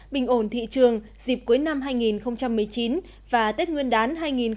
bình ổn thị trường dịp cuối năm hai nghìn một mươi chín và tết nguyên đán hai nghìn hai mươi